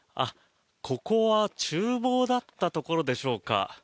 ここは厨房だったところでしょうか。